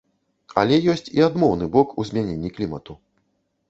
Але ёсць і адмоўны бок у змяненні клімату.